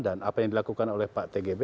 dan apa yang dilakukan oleh pak tgb